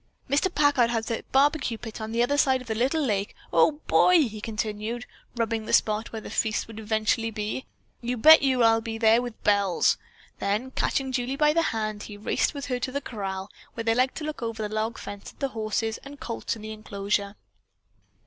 Mr. Packard has a barbecue pit on the other side of the little lake. Oh. boy!" he continued, rubbing the spot where the feast would eventually be. "You bet you I'll be there with bells!" Then, catching Julie by the hand, he raced with her to the corral, where they liked to look over the log fence at the horses and colts in the enclosure.